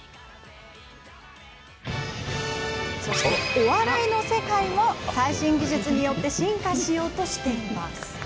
お笑いの世界も最新技術によって進化しようとしています。